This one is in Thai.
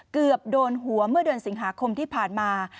เกือบโดนหัวเมื่อเดือนสิงหาคมที่ผ่านมา